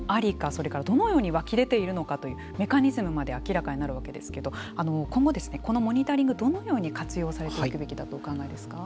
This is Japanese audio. それから、どのように湧き出ているのかというメカニズムまで明らかになるわけですけれども今後、このモニタリングどのように活用されていくべきだとお考えですか。